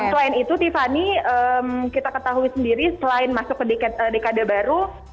selain itu tiffany kita ketahui sendiri selain masuk ke dekade baru